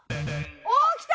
おっきた！